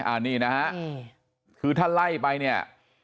อ่านี่นะครับคือถ้าไล่ไปเนี่ย